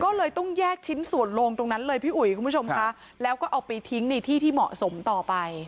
ก็เลยต้องแยกชิ้นส่วนโลงตรงนั้นเลยพี่อุ๋ยคุณผู้ชมค่ะแล้วก็เอาไปทิ้งในที่ที่เหมาะสมต่อไป